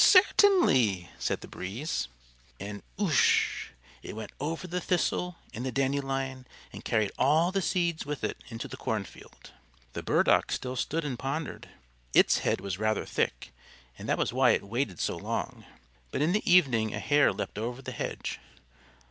"Certainly," said the Breeze. And ush! it went over the Thistle and the Dandelion and carried all the seeds with it into the cornfield. The Burdock still stood and pondered. Its head was rather thick, and that was why it waited so long. But in the evening a Hare leapt over the hedge.